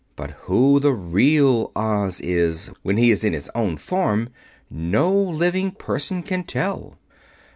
But who the real Oz is, when he is in his own form, no living person can tell."